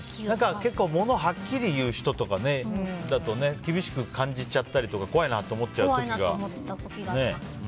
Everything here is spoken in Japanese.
ものをはっきり言う人とかだと厳しく感じちゃったりとか怖いなと思っちゃう時がね。